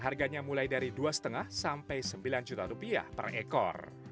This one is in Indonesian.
harganya mulai dari dua lima sampai sembilan juta rupiah per ekor